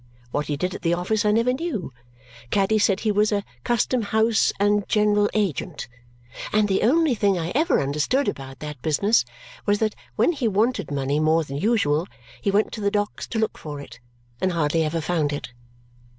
What he did at the office, I never knew; Caddy said he was a "custom house and general agent," and the only thing I ever understood about that business was that when he wanted money more than usual he went to the docks to look for it, and hardly ever found it.